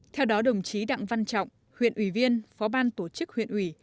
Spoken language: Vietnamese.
theo đó đồng chí đặng văn trọng huyện ủy viên phó ban tổ chức huyện ủy